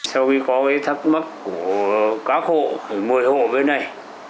sau khi có thắc mắc của các hộ một mươi hộ bên này